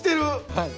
はい。